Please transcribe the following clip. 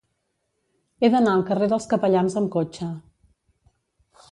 He d'anar al carrer dels Capellans amb cotxe.